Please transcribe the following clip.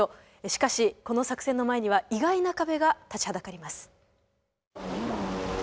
しかしこの作戦の前には意外な壁が立ちはだかります。